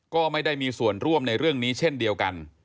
ก็ไม่ได้มีส่วนร่วมในเรื่องนี้เช่นเดียวกัน